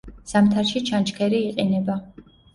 ზამთარში ჩანჩქერი იყინება.